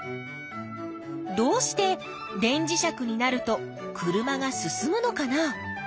どうして電磁石になると車が進むのかな？